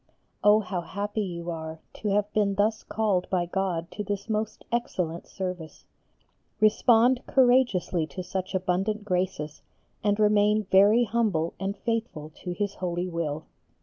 O how happy you are to have been thus called by God to this most excellent service. Respond courageously to such abundant graces and remain very humble and faithful to His holy will.